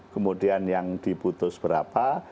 kemudian yang diputus berapa